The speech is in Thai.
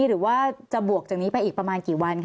หรือว่าจะบวกจากนี้ไปอีกประมาณกี่วันค